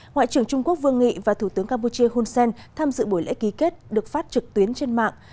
ngoại trưởng trung quốc vương nghị và thủ tướng campuchia hun sen tham dự buổi lễ ký kết được phát trực tuyến trên mạng